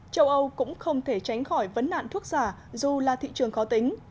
châu âu cũng không thể tránh khỏi vấn nạn thuốc giả dù là thị trường khó tính